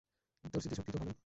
তোর স্মৃতি শক্তি তো ভালোই।